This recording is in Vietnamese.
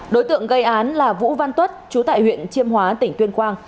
đối tượng gây án là vũ văn tuất chú tại huyện chiêm hóa tỉnh tuyên quang